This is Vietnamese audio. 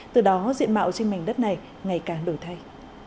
từ đó diện mạo trên mảnh đất này ngày càng đổi thay